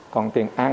còn tiền ăn